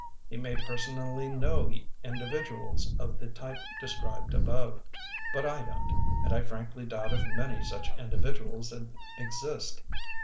He may personally know individuals of the type described above, but I don't, and I frankly doubt if many such individu als exist.